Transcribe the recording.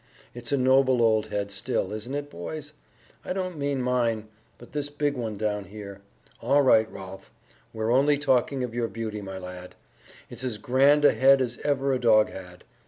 It's a noble old head still, isn't it, boys? (I don't mean mine, but this big one down here. All right, Rolf! We're only talking of your beauty, my lad.) It's as grand a head as ever a dog had.